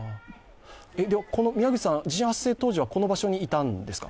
宮口さん、地震発生当時はこの場所にいたんですか？